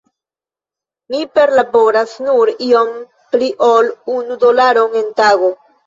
Mi perlaboras nur iom pli ol unu dolaron en tago.